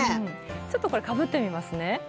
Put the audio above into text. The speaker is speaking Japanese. ちょっとこれかぶってみますね。